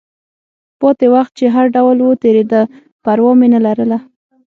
پاتې وخت چې هر ډول و، تېرېده، پروا مې نه لرله.